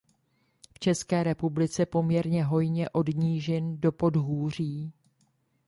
V České republice poměrně hojně od nížin do podhůří.